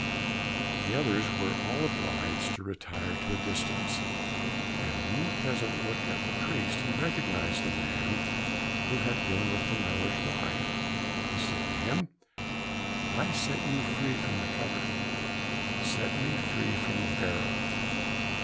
The others were all obliged to retire to a distance, and when the peasant looked at the priest, he recognized the man who had been with the miller's wife. He said to him, "I set you free from the cupboard, set me free from the barrel."